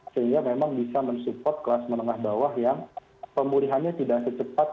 sehingga memang bisa mensupport kelas menengah bawah yang pemulihannya tidak secepat